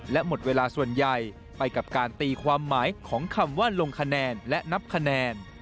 และหมดเวลาส่วนใหญ่ไปกับการตีความหมายของคำว่าลงคะแนนและนับคะแนน